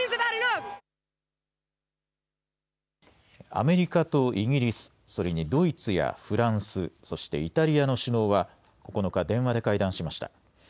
アメリカとイギリス、それにドイツやフランス、そしてイタリアの首脳は９日、電話で会談しました。